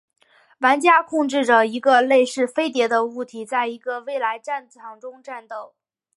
玩家控制着一个类似飞碟的物体在一个未来战场中战斗。